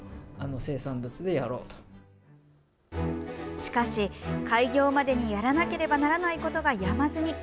しかし開業までにやらなければならないことが山積み。